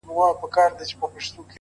چي يو ځل بيا څوک په واه ;واه سي راته;